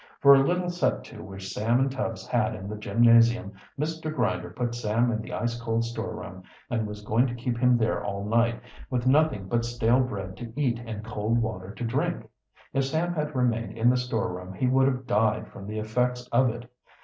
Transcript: For a little set to which Sam and Tubbs had in the gymnasium Mr. Grinder put Sam in the ice cold storeroom, and was going to keep him there all night, with nothing but stale bread to eat and cold water to drink. If Sam had remained in the storeroom he would have died from the effects of it.